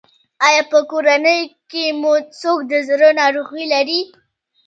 ایا په کورنۍ کې مو څوک د زړه ناروغي لري؟